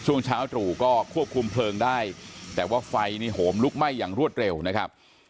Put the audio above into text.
ช่วงเช้าตรู่ก็ควบคุมเพลิงได้แต่ว่าไฟนี่โหมลุกไหม้อย่างรวดเร็วนะครับ